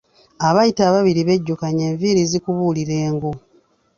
Abayita ababiri bejjukanya enviiri zikubuulira engo